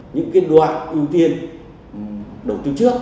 những đoạn ưu tiên đầu tư trước